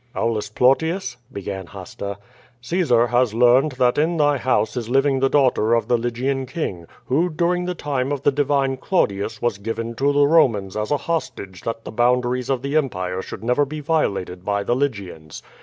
"Aulus Plautius," began Hasta, "Caesar has learned tliat in thy house is living the daughter of the Lygian king, who during the time of the divine Claudius was given to the Romans as a hostage that the boundaries of the empire should never be violated by the Lygians.